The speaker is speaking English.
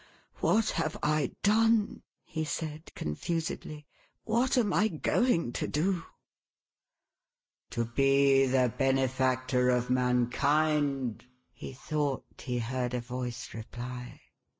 " What have I done !" he said, confusedly. " What am I going to do !"" To be the benefactor of mankind,'1 he thought he heard a voice reply.